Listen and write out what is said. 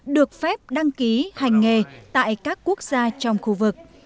được phép đăng ký hành nghề tại các quốc gia trong khu vực